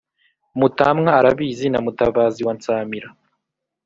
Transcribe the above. mutamwa arabizi na mutabazi wa nsamira.